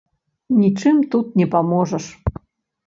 Нічым тут не паможаш.